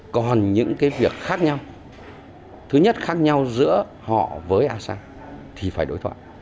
còn những cái việc khác nhau thứ nhất khác nhau giữa họ với asean thì phải đối thoại